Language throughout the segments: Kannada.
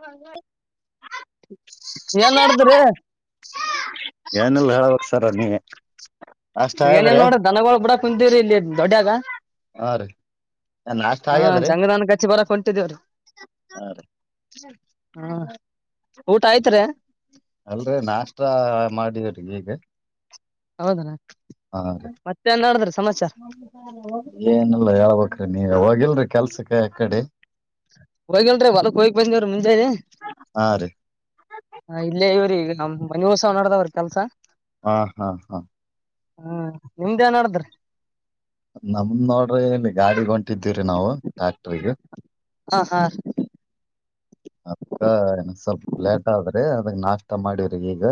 ಹೌ ನ ಏನ್ ಮಾಡಡ್ದ್ರಿ ಹ್ಮ್ಮ್. ಏನೇನ್ ನೋಡ್ರಿ ದನಗಳ ಬಿಡಕ್ ಕುಂತೀವ್ರಿ ಇಲ್ಲಿ ದೊಡ್ಡ್ಯಾಗ ಹಾ ರೀ ನಾಷ್ಟ ಹ ಆಗ್ಯದ್ರಿ ಜಂಗದನ್ ಕಚ್ಚಿ ಬರಕ್ ಕುಂತ ದವರ ಹಾ ರೀ ಹಾ ಊಟ ಆಯ್ತ್ ರಿ ಅಲ್ರರಿ ನಾಷ್ಟ ಮಾಡಿದರಿ ಹೀಗೆ ಹೌದಣ ಹಾ ರೀ ಏನಲ್ಲ ಹೇಳ್ಬೇಕ್ರೀ ನೀ ಯಾಗ ಆಗಲ್ರಿ ಕೆಲ್ಸಕ್ಕೆ ಕಡೆ ಹೋಗಲ್ರಿ ಹೊಲಕ್ ಹೋಗ ಬಂದ ಅವ್ರ ಮುಂದೆ ಇದೆ ಹಾ ರೀ ಇಲ್ಲೇ ಇವ್ರ ಈಗ ನಮ್ ಮನಿ ಉತ್ಸವ್ ನಡ್ದವ್ರರು ಕೆಲ್ಸ ಹಾ ಹಾ ಹಾ ಹ್ಮ ನಿಮ್ದೇ ಏ ನ ಮಾಡಡದ್ರಿ ನಮ್ದ್ ನೋಡ್ರಿ ಇಲ್ಲಿ ಗಾಡಿ ಹೊಂಟಿದ್ದೀವ್ರಿ ನಾವು ಟ್ಯಾಕ್ಟ್ರಿಗೆ ಹಾ ಹಾ ಅಕ್ಕ ನನ ಸ್ವಲ್ಪ ಲೇಟ್ ಆದ್ರೆ ಅದ್ ನಾಷ್ಟ ಮಾಡಿ ಈಗ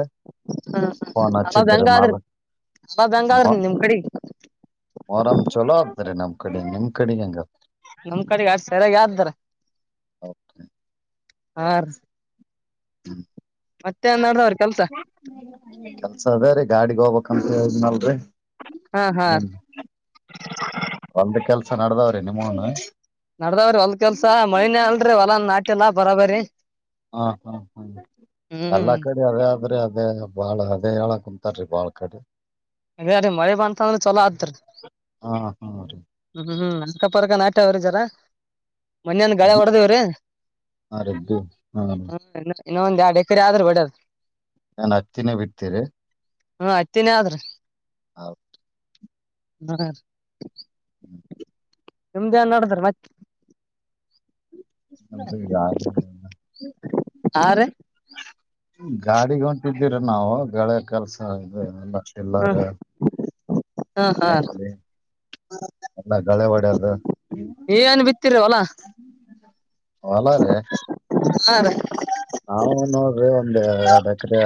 ಫೋನ್ ಅಲಾವ್ ಚಿದ್ರ ಹೆಂಗ ಮಾಲ ಆದ್ರಿ ಅಲಾವ್ ಹೆಂಗ ಮ ಆದ್ರಿ ನಿಮ್ ಕಡೆಗ್ ಮೊರಂ ಚಲೋ ಅ್ರ ನಮ್ಮ ಕಡೆ ನಿಮ್ ಕಡೆ ಹೆಂಗ ನಮ್ ಕಡೆಗೆ ಆ ಸರಗೆ ಯ್ದಾರ ಆ ಹ್ಮ ಕೆಲ್ಸ ಕೆಲ್ಸ ಅದೇ ರೀ ಗಾಡಿಗೆ ಹೋಗಬೇಕು ಕಂಪ ಹದ್ ನಲ್ರಿ ಹಾ ಹಾ ಹ್ಮ ಒಂದು ಕೆಲಸ ನಡದಾವ್ರೆ ನಿ ಮನು ನಡದಾವ್ರಿ ಹೊಲ್ದ ಕೆಲ್ಸ ಮೈನೆ ಅಲ್ರರಿ ಹೊಲ ನಾಟಿಲ್ಲಾ ಬರಾ ಬರಿ ಹಾ ಹಾ ಹ್ಮ ಹ್ಮ್ ಎಲ್ಲಾ ಕಡೆ ಅದೇ ಆದ್ರೆ ಅ ಅದೇ ಬಾಳ ಅದೇ ಹೇಳ ಕುಮಂತಾರ್ರಿ ಬಾಳ್ ಕಡೆ ಅದೇ ಅದೇ ಮಳೆ ಬಂತ ಅಂದ್ರೆ ಚಲೋ ಆತ್ರೀ ಹಾ ಹಾ ರೀ ಹ್ಮ್ ಹ್ಮ್ ನ ಅಕ್ಕಪಕ್ಕ ನಾಟ ಅವರುಜರ ಮನ್ಯನ್ ಗಾಳಿ ಬಿ- ಹೊಡೆದಿವ್ರೀ. ಹಾ ರೀ ಬಿ- ಹಾ ರೀ ಇನ್ನೊಂದ್ ಎರಡು ಎಕರೆ ಆದ್ರು ಬಿಡದ್ ನಾನ್ ಹತ್ತಿನೇ ಬಿಡ್ತೀರಿ. ಹಾ ಹತ್ತಿನೆ ಆದ್ರಿ ಹೌದ್ [unintelligible] [inaudible] ನಿಮ್ದ್ ಏನ್ ನಡಿದ್ರೀ ಮತ್ತೆ. ಯಾದ ಅ ರೀ ಗಾಡಿಗೆ ಹೊಂಟಿದ್ದೀರ ನಾವು ಗಳೆ ಕೆಲ್ಸ ಇದ್ ಎಲ್ಲ. ಹ್ಮ್ ಏಲ್ಲಾರ ಹಾ ಹಾ ರೀ ಟ್ಯಾಕ್ರೀ ಎಲ್ಲ ಗಳೆವಡಿಯದು. ನೀವ್ ಏನ್ ಬಿತ್ತಿರಿ ಹೊಲಾ ಹೊಲ ರೀ. ಹಾ ರೀ ನಾವು ನೋಡ್ರಿ ಒಂದು ಎರಡ್ ಎಕ್ರೆ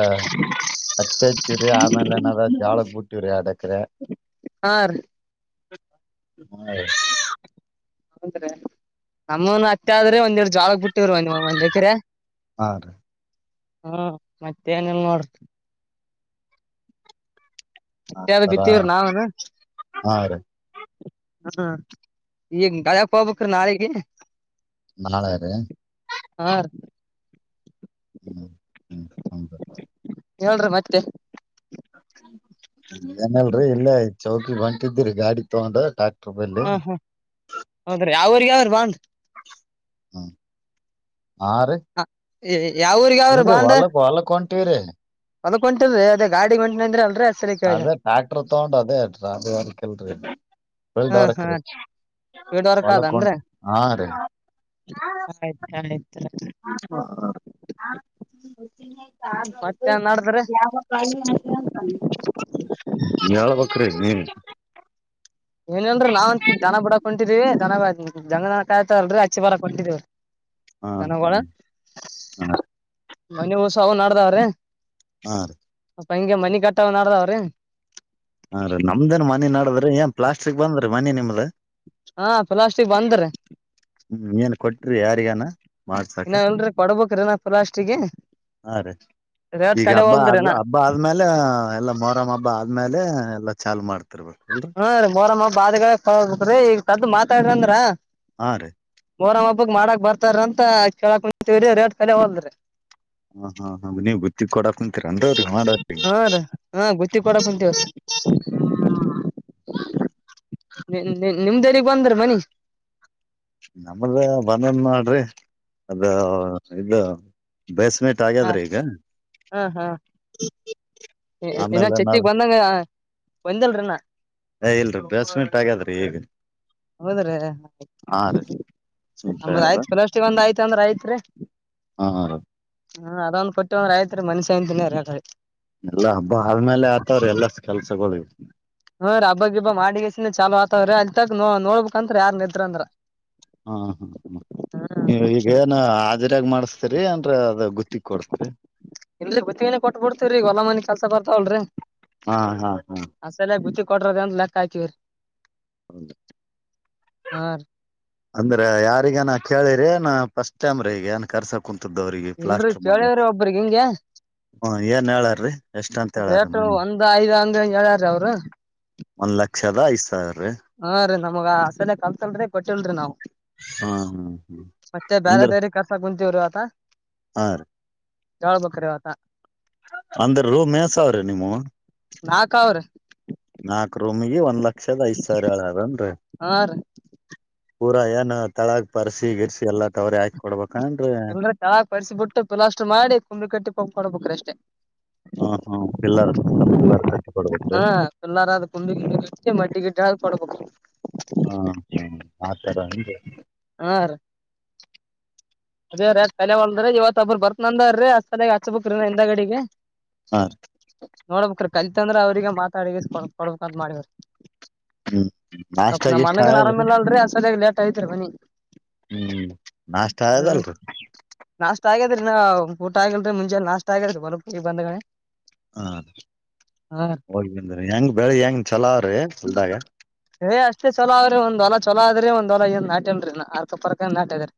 ಅತ್ತೆ ಹಚ್ಚಿರಿ ಆಮೇಲೆ ಏನಾದ ಜಾಳಕ್ ಬಿಟ್ಟಿವ್ರಿ ಎರಡೇಕ್ರೆ. ಹಾ ರೀ ಹಾ ಹನ್ರೀ ನಮ್ಮನು ಅತ್ತೆ ಆದ್ರೆ ಒಂದೆರಡ್ ಜ್ವಳಾಕ್ ಬಿಟ್ಟಿವ್ರಿ ಒಂದ್ ಎಕ್ರೆ. ಹ ರೀ ಹಾ ಮತ್ತೇ ಏನೆಲ್ ನೋಡ್ ಆ ಎಷ್ಟದ ತರ ಬಿತ್ತೀವ್ರ್ ನಾವನ. ಹಾ ರೀ ಹ್ಮ ಈಗ್ ಗಳಕ್ ಹೋಗಬೇಕ್ರೀ ನಾಳಿಗೆ. ಮನಳ ರೀ ರೀ ಹ್ಮ್ ಹ್ಮ್ [unintelligible] ಹೇಳ್ರಿ ಮತ್ತೆ. ಏನಲ್ರಿ ಇಲ್ಲೇ ಚೌಕಿ ಬಂತಿದಿರಿ ಗಾಡಿ ತಗೊಂಡ ಟಾ ಹಾ ಹಾ ಹೌದ್ರೀ ಅವವ್ರ್ ಯಾವ ಬಂದ್ ಹ್ಮ ಆ ರೀ ಏ ಯಾವಊ್ರಗ ಯಾವ್ರ ಬಾಂಡ. ಟಿವ್ರಿ. ಹೊಲಕ್ ಹೊಂಟರೀ ಅದ ಗಾಡಿ ಗಂಟ್ ನಿಂದ್ರಲ್ರಿ ಅದೇ ಟ್ಯಾಕ್ಟರ್ ತಗೊಂಡು ಅದೇ [unintelligible] ಎಲ್ರಿ ಹ್ಮ ಹಾ ಸ್ೀಡ್ ವರ್ಕ್ ಹೊಲಕ್ ಅದನ್್ರ ಹೊಂಟ್ ಹಾ ರೀ ಆಯ್ತ ಆಯ್ತ ಹ್ಮ್ಮ್. ಹ ಮತ್ತೇನ್ ನಡದ್ರಿ ಬ್ರ ಹ್ಮ್ ಏನೇಲ್ರೀ ನಾವಂತ ಜನ ಬಡಾಕ್ ಕುಂಟಿರಿ ಜನ ಜಂಗದನ ಕಾಯ್ತ ಅಲ್ರರಿ ಇ ಬ ಕೊಿದ್ದ ಹಾ ಕನ ಬ ಹ್ಮ್ ಹಾ ಮನೆ ಹಸ ಅವ ನಡ್ದಾವ್ರೆ ಹ ಹಂಗೆ ಮನಿ ಕಟ್ಟ ನಡದಾವ್ರೀ ಹಾ ರೀ ನಮ್ದೇನ್ ಮನಿ ನಡದ್ರಿ ಏನ್ ಪ್ಲಾಸ್ಟಿಕ್ ಬಂದ್ರೀ ಮನಿ ನಿಮ್ದ. ಹಾ ಪ್ಲಾಸ್ಟಿಕ್ ಬಂದ್ರೀ ಹ್ಮ್ ಏನ್ ಕೊಟ್ರಿ ಯಾರಿಗಾನ ಮಾಡ್ಸಕ ಇನ್ನ ಎಲ್ರಿ ಕೊಡ್ಬೇಕ್ರಿ ಇನ್ನ ಪ್ಲಾಸ್ಟಿಗೆ ಹಾ ರೀ ರೇಟ್ ಈಗ ಕಲೆ ಹಬ್ಬ ಹೋಲ್ದ್ರಿ ಆದ ಇನ್ನ ಹಬ್ಬ ಆದ್ಮೇಲೆ ಎಲ್ಲ ಮೊರಂ್ ಹಬ್ಬ ಆದ್ಮೇಲೆ ಎಲ್ಲ ಚಾಲ್ ಮಾಡ್ತಾರೆ ಹಾ ರೀ ಮೋರಮ ಬಾದಗೋಗ್ರೀ ಈಗ ತದ್ ಮಾತಾಡಂದ್ರ ಹಾ ರೀ ಇ ಮಾಡಕ್ ಬರ್ತಾರಂತ ಕೇಳಕ್ಂತೀವ್ರಿ ರೇಟ್ ಕಲೆ ಹೊಲ್ದ್ರಿ ಹಾ ಹಾ ಹ ನೀವ್ ಬುತ್ತಿ ಕೊಡಾಕ್ಂತೀರ ಅಂದ್ರಿ ಮಾಡಿ ಹಾ ರೀ ಹಾ ಗುತ್ತಿ ಕೊಡಾಕ್ ಕುಂತೀವ್ರಿ ಹ್ಮ ನಿಮ್ದಲ್ಲಿಗ್ ಬಂದ್ರ ಮನಿ ನಮಲೆ ಬನನ್ ಮಾಡ್ರಿ ಅದು ಇದು ಬೇಸ್ಮೆಂಟ್ ಹಾ ಆಗ್ಯದ್ರಿ ಈಗ ಹ ಹಾ ಇನ್ನೊ ಆಮೇಲೆ ನಾವ್ ಚೆತಿಿಗೆ ಬಂದಂಗ ಒಂದಲ್ರಣ ಏ ಇಲ್ರಿ ಬೇಸ್ಮಿಟ್ ಆಗ್ಯಾದ್ರೀ ಈಗ ಹೌದ್ರಿ ಹಾ ರೀ ಬೇಸ್ಮೆಂಟ್ ನದ ಆಗ್ಯದ ಆಯ್ತ್ ಕಲಸ್ಿಗೆ ಒಂದ್ ಆಯ್ತ ಅಂದ್ರ ಆಯ್ತ್ರಿೀ ಹಾ ರೀ ಹ್ಮ ಅದೊಂದ್ ಕೊಟ್ ಒಂದ್ ರಾಯತ್ರಿ ಮನಶಾಂತಿನೇ ಇರಲ್ರಿ. ಎಲ್ಲಾ ಹಬ್ಬ ಆದ್ಮೇಲೆ ಆತವ್ರ ಎಲ್ಲ ಕೆಲ್ಸಗಳ್ ಇವು. ಹ್ಮ್ ರ ಹಬ್ಬಗಿಬ್ಬ ಮಾಡಿಗೆಸ ಚಾಲುವಾತಾವ್ರರಿ ಅಲ್ ತಕ್ ನೋಡ್ಬೇಕಂತ್ರ ಯಾರ್ ನಿದ್ರ ಅಂದ್ರ. ಹಾ ಹ್ಮ ಹ ನೀ ಈಗ ಏನು ಕೊಡ್ತೀರಿ ಇ ಬುತ್ತಿಗೆನೆ ಕೊಟ್ಬಿಡ್ತೇವ್ರಿ ಹೊಲ ಮನೆಿ ಕೆಲ್ಸ ಬರ್ತಾವಲ್ರರಿ ಹಾ ಹಾ ಅಸಲೆ ಬ ಕೊಟ್ರದ ಅಂತ ಲೆಕ್ಕ ಆಾಯ್ತೀವರಿ ಹೌದು ಹಾ ಅಂದ್ರೆ ಯಾರಿಗನ್ ಕೇಳಿರಿ ನಾ ಫಸ್ಟ್ ಟೈಮ್ ರ ಈಗ ನನ್ ಕರ್ಸಕಂತ ತು ದ್ದವ್ರಿಗೆ ಇಲ್ರಿ ಪ್ಲಾಸ್ಟರ್ ಮಾಡ ಕೇಳವ್ರಿ ಒಬ್ರಗ್ ಹಿಂಗೆ ಹ ಏನ್ ಹೇಳಾರ್ರೀ ಎಷ್ಟ ಅಂತ ಹೇಳಾರ್ರಿ ಮನೇ ಯಾ ಒಂದ್ ಲಕ್ಷದ ಐದ್ ಸಾವಿರ ಹಾ ರೀ ನಮಗ ಆಸೆನೆ ಕಲ್ತಲ್ರಿ ಕೊಟ್ಟಿಲ್ರಿ ನಾವು ಹಾ ಹ್ಮ್ ಹ್ಮ್ ಮತ್ತೆ ಬೇರೆ ಅಂದ್ರ ದೇರಿ ಕರ್ಸ ಕುಂತೀವ್ರೀ ಆತ ಯಾವಳ್ ಬಕ್ರ ಆತ ಅಂದ್ರರು ಮೇಸ ಅವ್ರಿ ನಿಮ್ಮ ನಾಕ್ ಅವ್ರಿ ನಾಕ ರೂಮಿಗೆ ಒನ್ ಲಕ್ ಪಕ್ಷದ ಈಸಾರಳದನ ಹಾ ರೀ [inaudible] ಪೂರ ಏನ ತಳಗ ಪರ್ಸಿ ಗಿರ್ಸಿ ಎಲ್ಲ ತವ್ರರಿ ಹಾಕಿ ಕೊಡ್ಬೇಕು ಕಣನ್ [unintelligible] ಬರ್ಸಿ ಬಿಿಟ್ಟು ಪ್ಲಾಸ್ಟ್ ಮಾಡಿ ಕುಂಬಿ ಕಟ್ಟಿ ಪಾಕ್ ಮಾಡ್ಬೇಕ್ರ ಅಷ್ಟೇ ಹ್ಮ್ ಹ್ಮ್ ಪಿಲ್ಲರ್ ಸುತ್ತ ಪಿಲ್ಲರ್ ಕಟ್ಟ ಕೊಡ್ಬಿಟ್ರೆ ಹಾ ಪಿಲ್ಲಾರ ಅದ್ ಕುಂಬಿ ಗಿಂಬಿ ಮಟ್ಟಿ ಗಿಟ್ಟಿ ಹಾಕಿ ಕೊಡ್ಬೇಕು ಹ್ಮ ಹ್ಮ್ ಆತರಂದ ಹಾ ರೀ ಅದೇ ರ ಕಲೆ ಒಲ್ದ್ರ ಇವತ್ೊಬ್್ರರು ಬರ್ತ್ನಂದಾರ್ರೀ ಅ ದಾಗ ಹಚ್ಬಕ್ರಿ ಇನ್ನ ಹಿಂದ ಗಡಿಗೆ ಹಾ ರೀ ನೋಡ್ಬಕ್ರಿ. ಕಲಿತಂದ್ರೆ ಅವ್ರಿಗೆ ಮಾತಾಡ ಕೊಡ್ಬೇಕಂತ ಮಾಡೆವ್ರಿ. ಹ್ಮ್ ಅ ನಾಷ್ಟ ನಮ್ಮ ಗೀಷ್ಟ ಮನಗನ್ ಆಗ್ಯದ್ರಿ ಆರಾಮಲ್ಲ ಅಲ್ರಿ ಸದ್ಯಾಗಿೇಟ್ ಇದತ್ ಬನ್ನಿ ಹ್ಮ್ ನಾಷ್ಟ ಹ್ಮ್ ಆಗ್ಯದಲ್ರಿ ನಾಷ್ಟ ಆಗ್ಯಾದ್ರಿ ನಾ ಊಟ ಆಗಲ್್ರ ಮುಂೆ ಲಾಷ್ಟ ಆಗದ ಬರ ಬಂದಿ ಹಾ ಹೋಗ ಹೆಂಗ ಬೆಳಿ ಹೆಂಗ ಚಲೋ ಅವ್ರಿ? ಒಲ್ದಾಗ ಹೇ ಅಷ್ಟ ಚಲ ಆದ್ರರಿ ಒಂದ್ ಹೊಲ ಚಲೋ ಆದ್ರಿ ಒಂದ್ಹೊಲ ಏನ್ ನಟ್ಯೇನ್ರಿ ನ ಅರ್ಕರ್ಕ ನಾಟ್ಯದ್ರಿ.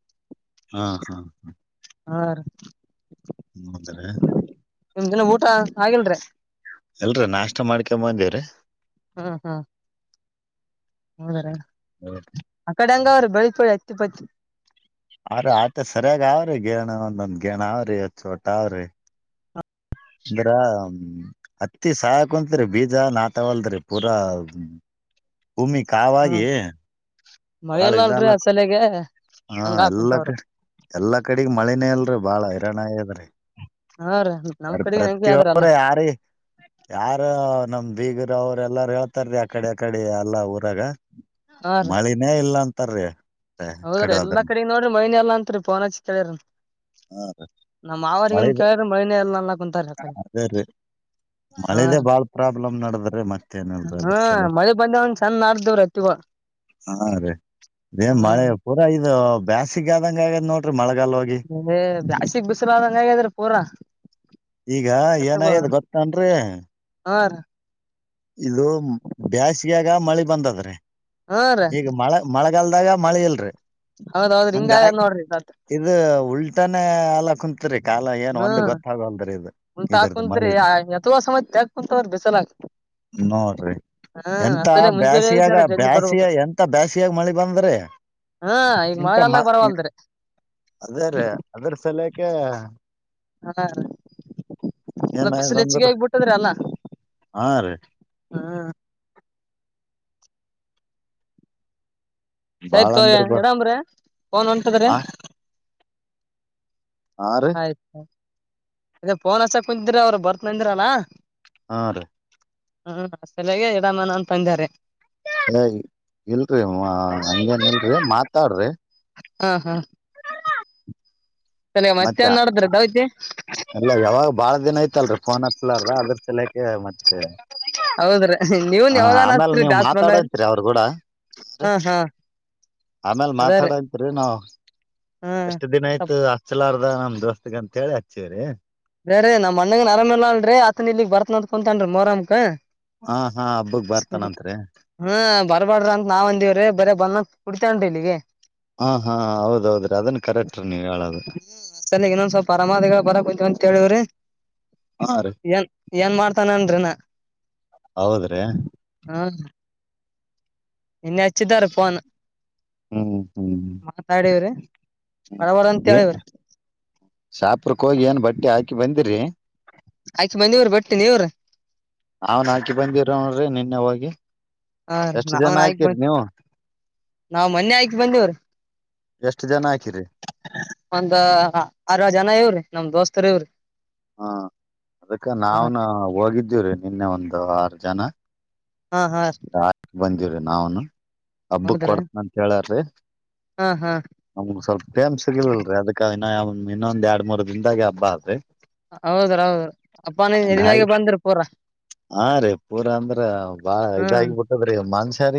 ಹಾ ಹಾ ಹ ಹಾ ರಿ ಹ್ಮ ದ್ರ ನಿಮ್ದಿನ ಊಟ ಆಗಲ್ರೀ? ಎಲ್ರರಿ ನಾಷ್ಟ ಮಾಡ್ಕೊ ಬಂದಿವವ್ರೀ ಹಾ ಹಾ ಹೌದರೀ ಹ್ಮ ಕಡಂಗ ಅವ್ರು ಬೆಳತೊಳ್ಳಿ ಅತ್ತುಿ ಪತ್ತ ಆರೆ ಆತ ಸರಿಯಾಗ ಅವ್ರಿ ಗೇಣ ಒಂದೊಂದ್ ಗೇಣ ಅವ್ರಿ ಚೋಟ ಅವ್ರಿ ಅಂದ್ರ ಹತ್ತಿ ಸಾಕುತ್ರಿ ಬೀಜ ನಾತವಲ್ದ್ರರಿ ಪೂರಾ ಭೂಮಿ ಕಾವಾಗಿ ಮಳೆ ಬಾಳ ಇಲ್ಲ ಅಲ್ರೀ ಇದಲ್ಲ ಆ ಸಲಿಗೆ? ಹಾ ಹಾ ಎಲ್ಲ ಕಡೆ ಎಲ್ಲಾ ಕಡೆಗ್ ಮಳನೇ ಇಲ್ರಿ ಬಾಳ ಹಿರಾಣ ಆದ್ರಿ ಹಾ ರೀ ನಮ್ ಬರಿ ಕಡೆಗ ಹೆಂಗೆ ಆದ್ರಲ್ಲ ಪ್ರತಿಯೊಬ್ಬ್ರ ಯಾರ ಯಾರ ನಮ್ ಬೀಗರ ಅವ್ರ್ ಎಲ್ಲಾರ ಹೇಳ್ತಾರ ರೀ ಆಕಡೆ ಆಕಡೆ ಎಲ್ಲವ್ ಹಾ ಮಳಿನೇ ಇಲ್ಲಂತ ತರ್ರ [unintelligible] ಹ ಹೌದ್ರೀ ಎಲ್ಲಾ ಕಡೆಗ ನೋಡ್ರಿ ಮಳಿನೆ ಎಲ್ಲ ಅಂತರಿ ಪೋನಚ್ ಕೇಳಾದ್ರೆ ನಮ ಅವರಿಗನ್ ಮಳಿ ಕೇಳ್ರ ಮೈನ [unintelligible] ಎಲ್ಲ ಅಲ್ಲ ಕುಂತಾರ ಆ ಕಡೆ ಅದೇ ರೀ ಮಳೆದೇ ಹ ಬಾಳ ಪ್ರಾಬ್ಲಮ್ ನಡದ್ರಿ ಮತ್ತೇನಿಲ್ರಿ ಹ ಅದ್ರ ಸಲ ಮಳಿ ಬಂದ ಚಂದ ಮಾಡ್ದವ್ರೀ ಅತ್ತಗ ಊರ ಇದು [unintelligible] ಬ್ಯಾಸಿಗ ಆದಂಗ ಆಗದ್ ನೋಡ್ರಿ ಮಳ [unintelligible] ಬ್ಯಾಸಿಗ್ ಬಿಸಿಲಾದಂಗ್ ಆಗ್ಯದ್ರಿ ಪೂರ ಈಗ ಗದ್ದೆ ವ ಏನಾಗ್ಯದ ಗೊತ್ತೇನ್ರಿ [unintelligible] ಇದು ಬೇಸಗೆಗ ಮಳಿ ಬಂದದ್ರೆ ಹಾ ರೀ ಈಗ ಮಳೆ ಮಳೆ ಗಲ್ದಾಗ [unintelligible] ಮಳೆ ಇಲ್ರಿ ಹೌದ್ ಹೌದ್ರಿ ಹಂಗ ಹಿಂಗ ಆಗ್ಯದ ನೋಡ್ರಿ ಸದ್ದ ಇದು ಉಲ್ಟಾನೇ ಅಲ್ಲ ಕುಂತ್ಕ್ ಹ್ಮ್ ಉಂಟ ಇದರ್ದು ಹಾಕುದ್ರಿ ಮಳಿದು [unintelligible] ಯಥವಾ ಸಮಯಾ ಕುಂತವ್ರ ಬಿಸಲಾಕ್ತ ನೋಡ್ರಿ ಎಂತ ಮುಂಜಾನೆ ಬ್ಯಾಸಿಯಾಗ ಜರ ಜಲ್ದಿ ಬ್ಯಾಸಿಯ ಬರ್ಬೇಕ್ರಿ ಎಂತ ಬ್ಯಾಸಿಯಾಗ ಮಳಿ ಬಂದ್ರಿ ಹಾ ಈಗ ಎಂತ ಮಳೆಗಾಲದಾಗ ಅದೇ ಬರವಲ್ದ್ರಿ [unintelligible] ಅದ ಸಲೆಕ್ಕೆ [unintelligible] ಹಾ [unintelligible] ಬಿಸಲು ಹೆಚ್ಚಿಗೆ ಏನಾಗ್ಯದಂದ್ರ ಆಗ್ಬಿಟ್ಟದ್ರ ಅಲ್ಲ. ಹಾ ರೀ ಹಾ [unintelligible] ಸರಿ ಬಾಳ ತೋ ಅಂದ್ರ ಬಾ ಹಾ [unintelligible] ಹಾ ರೀ ಆಯ್ತ ಅದೇ ಫೋನ್ ಹಚ್ಚಕ್ ಕುಂತಿದಿರ [unintelligible] ಅವರು ಬರ್ತ್ನಂದಿರ ಅಲಾ ಆ ರೀ ಹ್ಮ್ ಸಲಾಗ [unintelligible] ಇಡಮನ ಅಂತ ಬಂದಾರೆ ಏ ಇಲ್ರಿ ಅ ಅಂಗೇನ್ ಇಲ್ರಿ ಮಾತಾಡ್ರಿ ಹಾ ಹಾ ಹ್ಮ್ಮ್. ಮತ್ತೆ ಎಲ್ಲ ಯಾವಾಗ ಬಾಳ ದಿನ ಐತಲ್ರಿ ಫೋನ್ ಹತ್ತಲಲ್ ಅದ್ರ ಸಲಯಕೆ [unintelligible] ಮತ್ತೆ ಹೌದ್ರಿ ನೀವನ್ ಹಾ ಯಾವಾಗಾನ ಆಮೇಲ್ ಹಚ್ರಿ ನೀವ್ ದಾಸ್ ಬಂದಾಗ್ರಿ ಮಾತಾಡಂತ್ರಿ ಅವ್ರ್ ಕೂಡ ಹಾ ಹಾ ಆಮೇಲ್ ಅದ ರೀ ಮಾತಾಡೋಂತ್ರಿ [unintelligible] ನಾವ್ ಹ್ಮ್ ಎಷ್ಟು ದಿನ ಆಯ್ತು ಸ್ವಪ್ ಎಲ್ಲರದ [unintelligible] ನಮ್ ದೋಸ್ತಗ ಅಂತ ಹೇಳಿ ಹಚ್ಚಿವವ್ರೀ ರೇ ರಿ ನಮಣ್ಣಗ್ [unintelligible] ಅರಾಮ ಇಲ್ಲ ಅಲ್ರರಿ ಆತನ ಇಲ್ಲಿಗ್ ಬರ್ತನ ಅಂತ್ ಕುಂತಾವ್ನತೆ ಮೋರಮ್ಕ್ ಹಾ ಹಾ ಹಬ್ಬಕ್ ಉಹ್ಮ್ ಬರ್ತಾನಂತ್ರಿ ಹೂ ಬರ್ಬಾರ್ದ [unintelligible] ಅಂತ ನಾವ್ ಅಂದ್ವಿರೀ ಬರೆ ಬನ್ನು ಕುಡ್ [unintelligible] ಹಾ ಹಾ ಹೌದೌದ್ರೀ ಅದನ್ ಕರೆಕ್ಟ್ ರಿ [unintelligible] ನೀವು ಹೇಳೋದು ಸಲಿಗ್ ಇನ್ನೊಂದ್ ಸ್ವಲ್ಪ ಆರಾಮಾದಗಳ ಹಾ ರೀ [unintelligible] ಏನ್ ಏನ್ ಮಾಡ್ತನಂದ್ರೆ ನಾ ಹೌದ್ರೀ ಇನ್ನೆ [unintelligible] ಹಚ್ಚಿದ್ರ ಫೋನ್ ಹ್ಮ್ ಹ್ಮ್ ಮಾತಾಡವ್ರಿ. ಅರಾವರ ಅಂಥೇಳ್ ಶಪ್ರಕ್ ಹೋಗಿ ಏನ್ ಬಟ್ಟೆ ಹಾಕಿ ಬಂದಿರಿ ಆಯ್ಕ ಬಂದಿ ಇವರು ಬಟ್ಟೀನಿ ಇವ್ರ ಅವನ್ ಹಾಕಿ ಬಂದಿರೋರಿ ನಿನ್ನೆ ಹೋಗಿ ಹ ಎಷ್ಟ್ ಜನ ನಾವನ್ಕ್ ಬ ಹಾಕಿರಿ ನೀವು ನಾವ್ ಮೊನ್ನೆ ಆಯ್ಕ್ ಬಂದವ್ರ ಎಷ್ಟ್ ಜನ ಹಾಕಿರಿ [inaudible] ಒಂದು ಅರಏಲ್ಜನ ಇವ್ರೀ ನಮ್ ದೋಸ್ತರ ಇವ್ರಿ ಹ್ಮ ಅದಕ್ಕ ಹ ನಾವ್ನ್ ಹೋಗಿದ್ದೀವ್ರೀ ನಿನ್ನೆ ಒಂದು ಆರು ಜನ ಹಾ ಹಾ ನನು ಹಬ್ಬಕ್ ಹೌದ್ರಿ ಕೊಡ್ತನ ಅಂತ ಹೇಳಾರ್ರಿ ಹಾ ಹಾ ನಮ್ಗ ಸ್ವಲ್ಪ ಟೈಮ್ ಸಿಗಿಲ್ಲಲ್ರರಿ ಅದಕ್ಕ ಇ ಇನ್ನೊಂದ್ ಎರಡ್ ಮೂರು ದಿನದಾಗೆ ಹಬ್ಬ ಆದ್ರಿ ಹೌದ್ರ ಹೌದು ಗಾಯಿ ಹಾ ರೀ ಪೂರಾ ಅಂದ್ರ ಬಾಳ ಹ್ಮ್ ಇದಾಗಿಬಿಟ್ಟದ್ರೀ ಮನುಷ್ಯಗ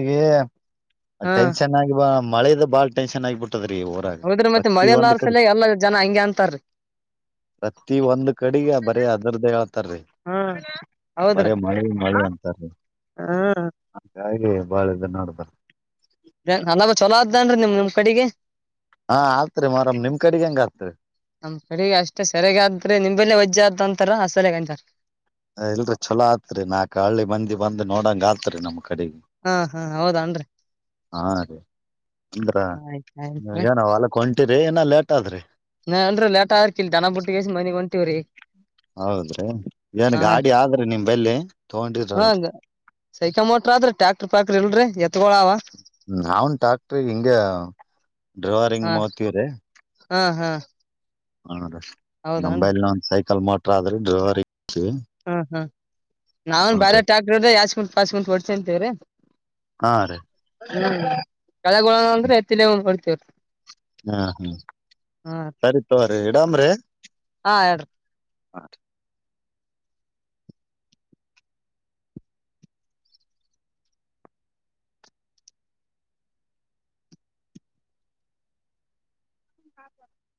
ಹ್ಮ್ ಟೆನ್ಷನ್ ಆಗಿ ಬಾ ಮಳದ ಬಾ ಟನ್ ಆಗ್ಬಟ್ಟು ತದ್ರಿ ಊರಾಗ ಹೌದ್ರಿ ಮತ್ತೆ ಪ್ರತಿ ಮಳೆ ಒಂದು ಎಲ್ಲಾರ ಕಡಿ ಸಲ ಎಲ್ಲಾ ಜನ ಹಂಗೆ ಅಂತಾರೀ ಪ್ರತಿ ಒಂದು ಕಡೆಗೆ ಬರೆ ಅದ್ ಅದರ ಹಳ್ತಾರಿ ಹ್ಮ್ ಬರ ಹೌದ್ರಿ ಮಳೆ ಮಳೆ ಅಂತಾರಿ ಹ್ಮ್ ಹಾಗಾಗಿ ಬಾಳ ಇದದ್ ನೋಡು ಬಾ ನನಬ್ ಚೊಲೋ ಅದ್ದೇನ್ರಿ ನಿಮ್ ನಿಮ್ ಕಡೆಗೆ ಹಾ ಆತ್ರಿ ಮಾರಮ್ ನಿಮ್ ಕಡೆಗೆ ಹೆಂಗ ಆತ್ರಿ ನನ್ ಸರಿಗ ಅಷ್ಟೇ ಸರಿಯಾಗೆ ಆದ್ರೆ ನಿಮ್ದೆಲ್ಲ ವಜ್ಜ್ಯ ಆದಂತ್ ತರ [unintelligible] ಇಲ್ರಿ ಚೊಲೋ ಆತ್ರಿ ನಾಲ್ಕ ಹಳ್ಳಿ ಮಂದಿ ಬಂದು ನೋಡಂಗ ಆತ್ರಿ ನಮ್ ಕಡೆಗೆ ಹಾ ಹಾ ಹೌದಾನ್ರಿ ಹಾ ಅದೇ [inaudible] ಅಂದ್ರ ಆಯ್ತ್ ನೀ ಆಯ್ತ್ರಿ ಏನ ಅಲ್ ಹೊಂಟಿರಿ ಏನ ಲೇಟ್ ಆದ್ರಿ ನಾ ಅಲ್ರಿ ಲೇಟ್ ಆದ್ರಕಿಲ್ ದನ ಬುಟ್ಟಿಗೇಸಿ ಮನಿಗ್ ಹೊಂಟಿವ್ರಿ ಹೌದ್ರಿ ಏನ್ ಹಾ ಗಾಡಿ ಆದ್ರೆ ನಿಮ್ದ್ ಅಲ್ಲಿ ಹಾ ತಗೊಂಡಿದ್ರಲ್ರಿ ಸೈಕಲ್ ಮೋಟ್ರ್ ಆದ್ರ ಟ್ಯಾಕ್ಟ್ರು ಪಾಕ್ರು ಇಲ್ರಿ ಎದ್ ನಾವನ್ ಟಾಕ್ಟ್ರಿ ಹಿಂಗ ಡ್ರವರಿಂಗ್ ಹಾ ಮಾತವ್ರ ಹಾ ಹಾ ಹ ರ [inaudible] ಹೌದನ್ ನಂಬೈಲ್ ನ ಒಂದ ಸೈ ಕಲ್ಮಟ್ರ ಆದ್ರೆ ಡ್ರವರಿ ಹಾ ಹಾ ನಾವೆನ್ ಹಾ ಬ್ಯಾರೆ ರೀ ಟಾಕ್ಟರ್ ಯಾಸ್ಕಂ ಪಸ್ಕಂ ಹೊಡ್ಸಂತೇವ್ರೀ. ಹಾ ರೀ ಹ್ಮ್ ಕೆಳಗ್ ಉಳನ ಅಂದ್ರೆ ಎತ್ತಲಂದ ಹೊಳ್ತೇವ್ರಿ ಹ್ಮ್ ಹ್ಮ್ ಹಾ ರೀ ಸರಿ ತಗೋರಿ ಹಾ ಹೇಳ್ರಿ. ಆ ರೀ